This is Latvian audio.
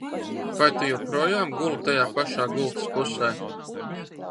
Vai tu joprojām guli tajā pašā gultas pusē?